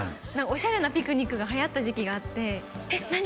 おしゃれなピクニックがはやった時期があってえっ何？